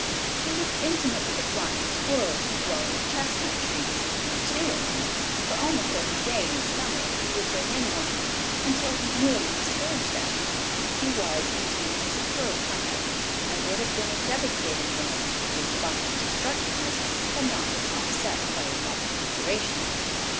He was intimate with the flying squirrels who dwell in the chestnut trees, too intimate, for almost every day in the summer he would bring in one, until he nearly discouraged them. He was, indeed, a superb hunter, and would have been a devastating one, if his bump of destructiveness had not been offset by a bump of moderation.